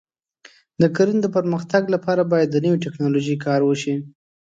د کرنې د پرمختګ لپاره باید د نوې ټکنالوژۍ کار وشي.